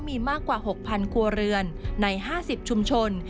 มีมากกว่า๖๐๐ครัวเรือนใน๕๐ชุมชน